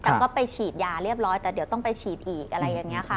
แต่ก็ไปฉีดยาเรียบร้อยแต่เดี๋ยวต้องไปฉีดอีกอะไรอย่างนี้ค่ะ